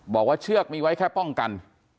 เชือกมีไว้แค่ป้องกัน